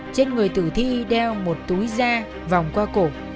trên người tử thi đeo một túi da vòng qua cổ